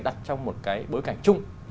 đặt trong một cái bối cảnh chung